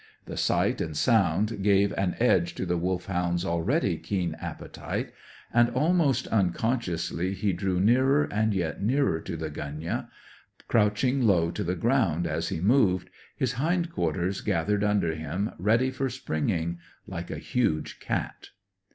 The sight and the sound gave an edge to the Wolfhound's already keen appetite, and, almost unconsciously, he drew nearer and yet nearer to the gunyah, crouching low to the ground as he moved, his hind quarters gathered under him ready for springing, like a huge cat.